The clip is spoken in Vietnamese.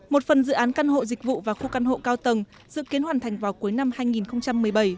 một phần dự án căn hộ dịch vụ và khu căn hộ cao tầng dự kiến hoàn thành vào cuối năm hai nghìn một mươi bảy